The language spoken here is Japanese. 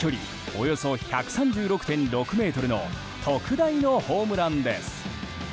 およそ１３６．６ｍの特大のホームランです。